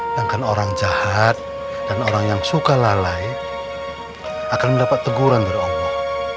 sedangkan orang jahat dan orang yang suka lalai akan mendapat teguran dari allah